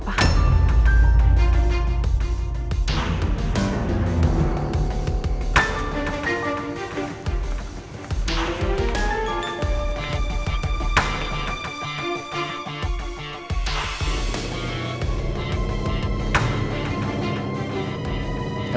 ternyata sama betul